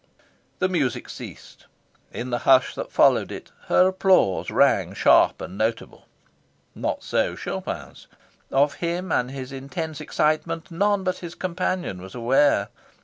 The music ceased. In the hush that followed it, her applause rang sharp and notable. Not so Chopin's. Of him and his intense excitement none but his companion was aware.